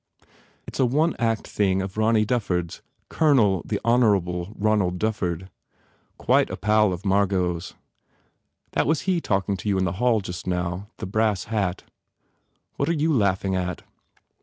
"It s a one act thing of Ronny Dufford s Colonel the Honourable Ronald Dufford. Quite a pal of Margot s. That was he talking to you in the hall just now the Brass Hat. What are you laughing at?"